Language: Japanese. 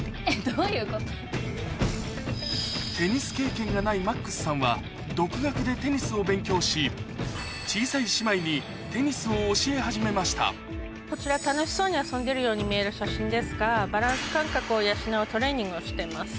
テニス経験がないマックスさんは独学でテニスを勉強し小さい姉妹にこちら楽しそうに遊んでるように見える写真ですがバランス感覚を養うトレーニングをしてます。